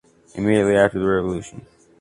Immediately after the Revolution.